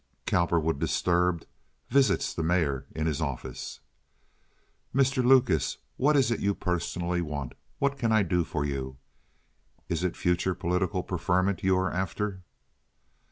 Cowperwood, disturbed, visits the mayor in his office. "Mr. Lucas, what is it you personally want? What can I do for you? Is it future political preferment you are after?"